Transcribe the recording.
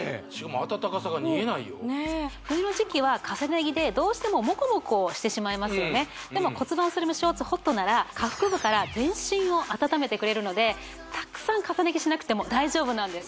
すごいね冬の時期は重ね着でどうしてもモコモコしてしまいますよねでも骨盤スリムショーツＨＯＴなら下腹部から全身を温めてくれるのでたくさん重ね着しなくても大丈夫なんです